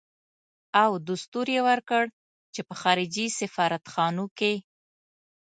او دستور يې ورکړ چې په خارجي سفارت خانو کې.